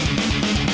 lo sudah bisa berhenti